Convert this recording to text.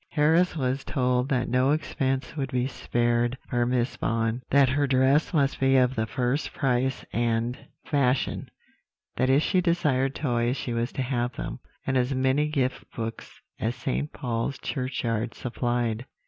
Harris was told that no expense would be spared for Miss Vaughan; that her dress must be of the first price and fashion; that if she desired toys she was to have them, and as many gift books as St. Paul's Church yard supplied.